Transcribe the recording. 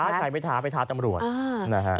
ไปท้าใช้ไม่ท้าไปท้าตำรวจนะครับ